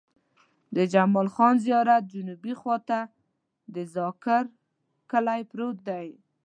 د جمال خان زيارت جنوبي خوا ته د ذاکر کلی پروت دی.